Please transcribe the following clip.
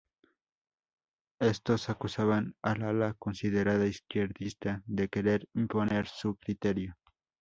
Estos acusaban al ala considerada izquierdista de querer imponer su criterio.